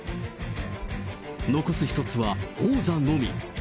残す１つは王座のみ。